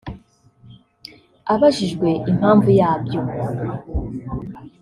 Abajijwe impamvu yabyo